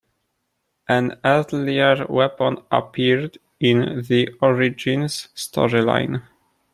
An earlier weapon appeared in the "Origins" storyline.